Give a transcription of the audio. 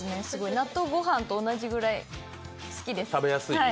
納豆御飯と同じぐらい好きです。